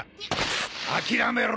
諦めろ！